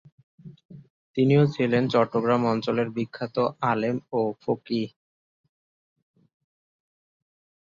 তিনিও ছিলেন চট্টগ্রাম অঞ্চলের বিখ্যাত আলেম ও ফকিহ।